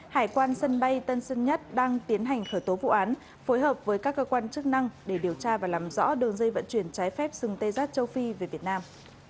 hải quan sân bay tân sơn nhất đang tiến hành khởi tố vụ án phối hợp với các cơ quan chức năng để điều tra và làm rõ đường dây vận chuyển trái phép sừng tê giác châu phi về việt nam